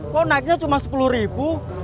kok naiknya cuma rp sepuluh